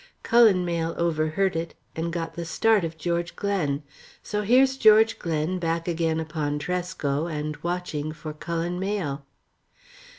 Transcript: Cullen Mayle overheard it, and got the start of George Glen. So here's George Glen back again upon Tresco, and watching for Cullen Mayle."